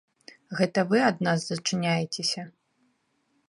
Гэта вы ад нас зачыняецеся.